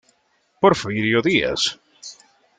Porfirio Díaz.